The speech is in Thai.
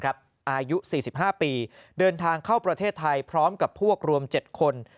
อายุ๔๕ปีเดินทางเข้าประเทศไทยพร้อมกับพวกรวม๗คน